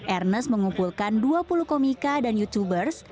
ernest mengumpulkan dua puluh komika dan youtubers